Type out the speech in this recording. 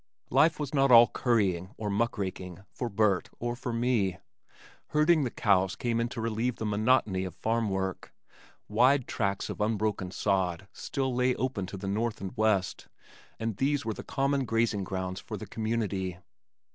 Life was not all currying or muck raking for Burt or for me. Herding the cows came in to relieve the monotony of farm work. Wide tracts of unbroken sod still lay open to the north and west, and these were the common grazing grounds for the community.